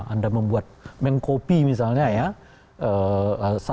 anda membuat mengkopi misalnya ya